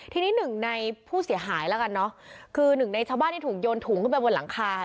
ทีนี้หนึ่งในผู้เสียหายแล้วกันเนอะคือหนึ่งในชาวบ้านที่ถูกโยนถุงขึ้นไปบนหลังคา